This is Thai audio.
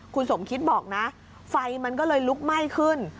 คุณสมคิดบอกนะไฟมันก็เลยลุกไหม้ขึ้น